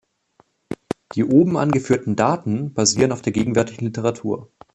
Die oben angeführten Daten basieren auf der gegenwärtigen Literatur.